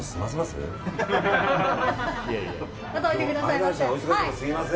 またおいでくださいませ。